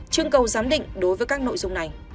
chương cầu giám định đối với các nội dung này